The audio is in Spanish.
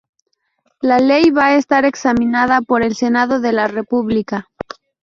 La ley va a estar examinada por el Senado de la República.